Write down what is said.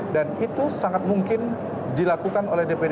dan itu sangat mungkin dilakukan oleh dpd